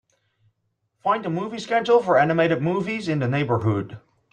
Find the movie schedule for animated movies in the neighborhood.